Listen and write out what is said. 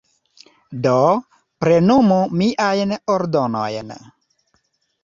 Do, plenumu miajn ordonojn.